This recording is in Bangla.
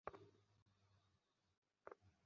এ হলো নাটক।